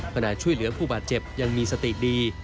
ขณะช่วยเหลือผู้บาดเจ็บยังมีสติดี